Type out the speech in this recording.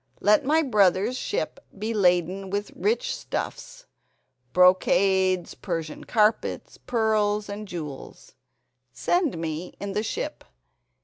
Let my brother's ship be laden with rich stuffs, brocades, Persian carpets, pearls and jewels. Send me in the ship.